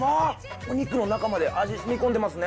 お肉の中まで味染み込んでますね。